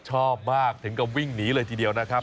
ชอบมากถึงกับวิ่งหนีเลยทีเดียวนะครับ